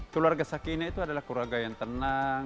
keluarga sakinah itu adalah keluarga yang tenang